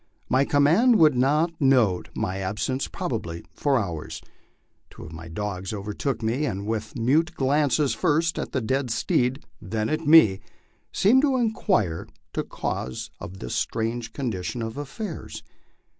My command would not note my absence probably for hours. Two of my dogs overtook me, and with mute glances first at the dead steed, then at me, seemed to inquire the cause of this strange condition of affairs.